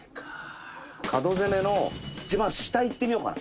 「角攻めの一番下いってみようかな」